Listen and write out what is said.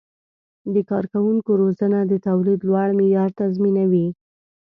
د کارکوونکو روزنه د تولید لوړ معیار تضمینوي.